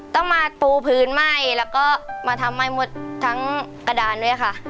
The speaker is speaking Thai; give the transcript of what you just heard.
ต้องมาปูพื้นไหม้แล้วก็มาทำให้หมดทั้งกระดานด้วยค่ะ